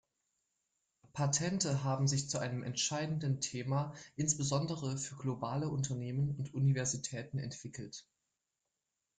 Patente haben sich zu einem entscheidenden Thema insbesondere für globale Unternehmen und Universitäten entwickelt.